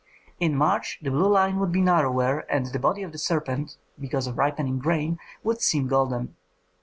In March the blue line would be narrower, and the body of the serpent, because of ripening grain, would seem golden.